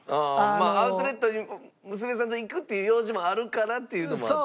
まあアウトレットに娘さんと行くっていう用事もあるからっていうのもあって。